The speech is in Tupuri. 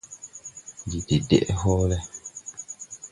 Ndi de deʼ hɔɔlɛ.